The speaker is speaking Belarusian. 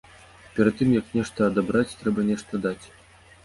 Перад тым, як нешта адабраць, трэба нешта даць.